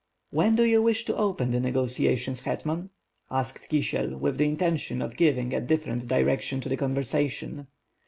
"When do you wish to open the negotiations, Hetman?" asked Kisiel, with the intention of giving a different direc tion to the conversation.